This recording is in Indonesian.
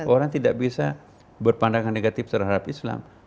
orang tidak bisa berpandangan negatif terhadap islam